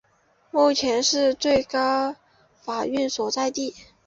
目前是最高法院所在地。